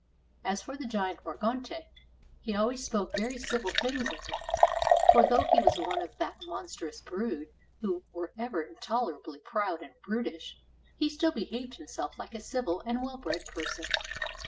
As for the giant Morgante, he always spoke very civil things of him, for though he was one of that monstrous brood who were ever intolerably proud and brutish, he still behaved himself Hke a civil and well bred person.